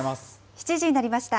７時になりました。